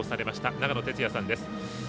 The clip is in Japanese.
長野哲也さんです。